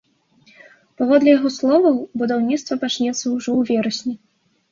Паводле яго словаў, будаўніцтва пачнецца ўжо ў верасні.